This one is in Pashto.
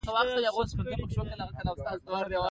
لمسی د نیکه له شین چپنه خوښ وي.